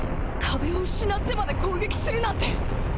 壁を失ってまで攻撃するなんて！！